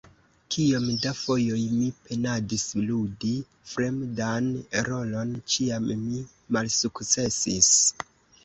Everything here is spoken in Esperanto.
Kiom da fojoj mi penadis ludi fremdan rolon, ĉiam mi malsukcesis.